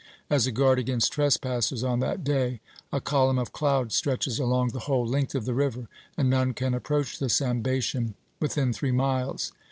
As a guard against trespassers on that day, a column of cloud stretches along the whole length of the river, and none can approach the Sambation within three miles.